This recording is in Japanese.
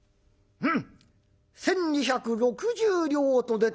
うん。